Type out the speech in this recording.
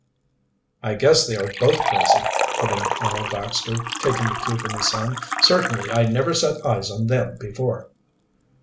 "I guess they are both crazy," put in Arnold Baxter, taking the cue from his son. "Certainly I never set eyes on them before."